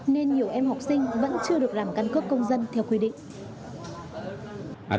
nên nhiều em học sinh vẫn chưa được làm căn cước công dân theo quy định